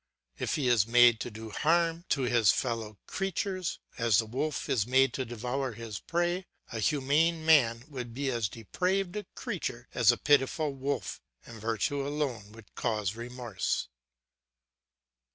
If he is made to do harm to his fellow creatures, as the wolf is made to devour his prey, a humane man would be as depraved a creature as a pitiful wolf; and virtue alone would cause remorse.